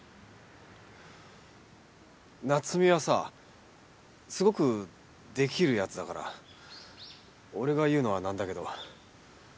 夏美はさすごくできる奴だから俺が言うのはなんだけど。